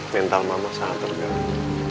mental mama sangat tergantung